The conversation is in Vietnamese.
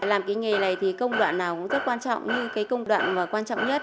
làm cái nghề này thì công đoạn nào cũng rất quan trọng như cái công đoạn mà quan trọng nhất